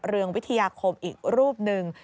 เรืองวิทยาคมอีกรูปหนึ่ง